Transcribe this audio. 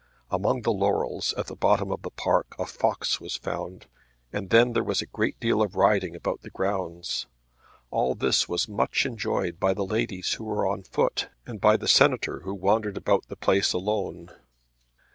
Among the laurels at the bottom of the park a fox was found, and then there was a great deal of riding about the grounds. All this was much enjoyed by the ladies who were on foot, and by the Senator who wandered about the place alone.